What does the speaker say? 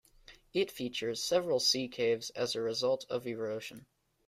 It features several sea caves as a result of erosion.